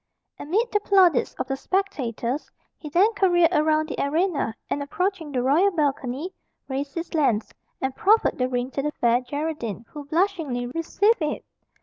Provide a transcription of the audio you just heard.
Amid the plaudits of the spectators, he then careered around the arena, and approaching the royal balcony, raised his lance, and proffered the ring to the Fair Geraldine, who blushingly received it.